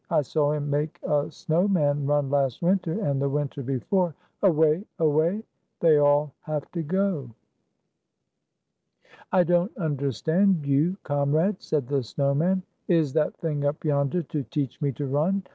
I saw him make a snow man run last winter, and the winter before. Away! Away! They all have to go." "I don't understand you, comrade," said the snow man. "Is that thing up yonder to teach me to run